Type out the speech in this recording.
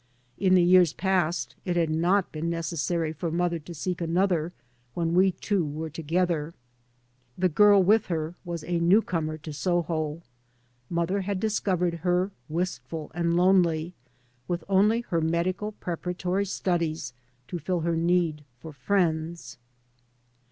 In the years past it had not been necessary for mother to seek another when we two were together. The girl with her was a new comer to Soho. Mother had discovered her, wistful and lonely, with only her medical pre paratory studies to fill her need for friends.